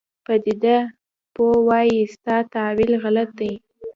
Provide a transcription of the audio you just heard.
پدیده پوه وایي ستا تاویل غلط دی.